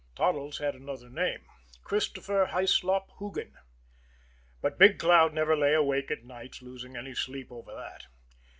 Toddles had another name Christopher Hyslop Hoogan but Big Cloud never lay awake at nights losing any sleep over that.